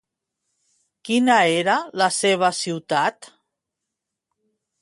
Quina era la seva ciutat?